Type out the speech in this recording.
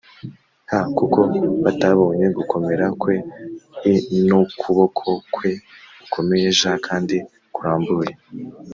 H kuko batabonye gukomera kwe i n ukuboko kwe gukomeye j kandi kurambuye